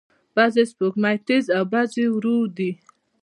بعضې سپوږمۍ تیز او بعضې ورو دي.